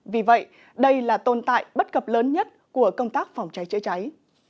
vì vậy đây là tồn tại bất cập lớn nhất của công tác phòng cháy chữa cháy